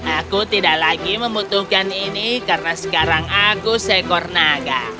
aku tidak lagi membutuhkan ini karena sekarang aku seekor naga